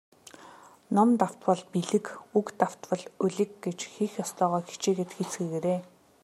Ном давтвал билиг, үг давтвал улиг гэж хийх ёстойгоо хичээгээд хийцгээгээрэй.